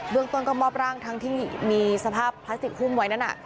เรื่องต้นก็มอบร่างทั้งที่มีสภาพพลาสติกหุ้มไว้นั้น